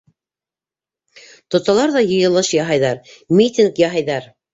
Тоталар ҙа йыйылыш яһайҙар, митинг яһайҙар.